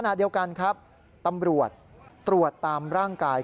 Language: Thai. ขณะเดียวกันครับตำรวจตรวจตามร่างกาย